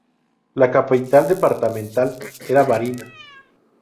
La capital departamental era Barinas.